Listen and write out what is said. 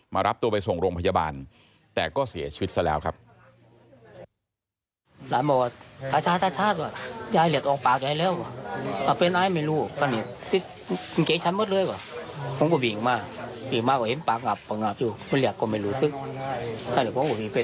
รับตัวไปส่งโรงพยาบาลแต่ก็เสียชีวิตซะแล้วครับ